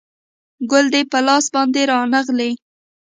ګل دې په لاس باندې رانغلی